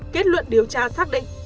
kết luận điều tra xác định